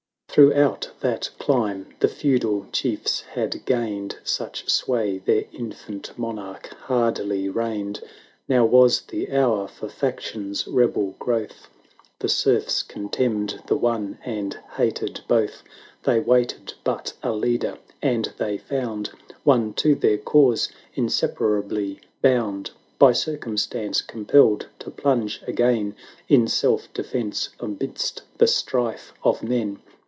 870 Canto ii. LARA 405 Throughout that clime the feudal Chiefs had gained Such sway, their infant monarch hardly reigned ; Now was the hour for Faction's rebel growth, The Serfs contemned the one, and hated both: They waited but a leader, and they found One to their cause inseparably bound ; By circumstance compelled to plunge again. In self defence, amidst the strife of men.